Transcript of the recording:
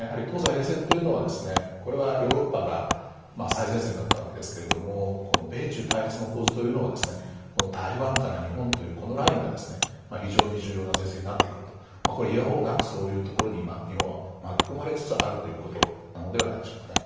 東西冷戦というのはヨーロッパが最前線だったわけですけども、米中対立の構図というのは台湾から日本という、このラインが非常に重要な前線になってくると。いやおうなくそういうところに日本は巻き込まれつつあるということではないでしょうか。